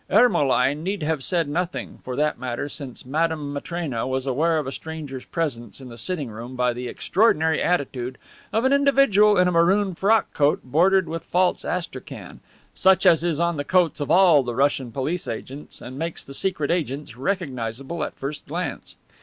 Ermolai need have said nothing, for that matter, since Madame Matrena was aware of a stranger's presence in the sitting room by the extraordinary attitude of an individual in a maroon frock coat bordered with false astrakhan, such as is on the coats of all the Russian police agents and makes the secret agents recognizable at first glance.